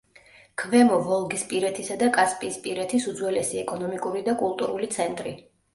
ქვემო ვოლგისპირეთისა და კასპიისპირეთის უძველესი ეკონომიკური და კულტურული ცენტრი.